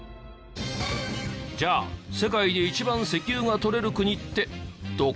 じゃあ世界で一番石油が採れる国ってどこ？